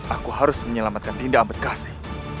aku harus menyelamatkan indah abad kasih